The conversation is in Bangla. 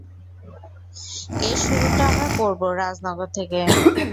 এর শুরুটা আমরা করব রাজ নগর থেকে।